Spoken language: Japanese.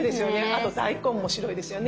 あと大根も白いですよね。